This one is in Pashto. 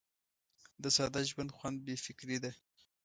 د ساده ژوند خوند بې فکري ده.